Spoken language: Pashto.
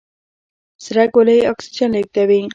سره ګولۍ اکسیجن لېږدوي.